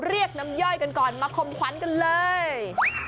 เรียกน้ำย่อยกันก่อนมาคมขวัญกันเลย